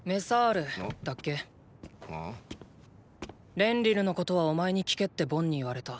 レンリルのことはお前に聞けってボンに言われた。